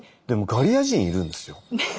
でもガリア人いるんですよ。